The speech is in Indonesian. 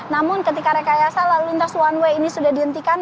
namun ketika rekayasa lalu lintas one way ini sudah dihentikan